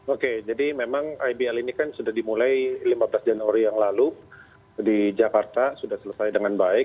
oke jadi memang ibl ini kan sudah dimulai lima belas januari yang lalu di jakarta sudah selesai dengan baik